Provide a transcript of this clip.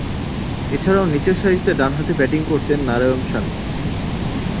এছাড়াও, নিচেরসারিতে ডানহাতে ব্যাটিং করতেন নারায়ণ স্বামী।